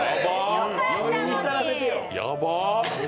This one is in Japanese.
やばっ。